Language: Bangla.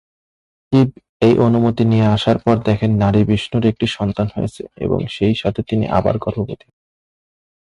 শিব এই অনুমতি নিয়ে আসার পর দেখেন নারী-বিষ্ণুর একটি সন্তান হয়েছে, এবং সেই সাথে তিনি আবার গর্ভবতী হয়েছেন।